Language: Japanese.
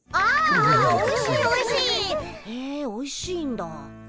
へえおいしいんだ。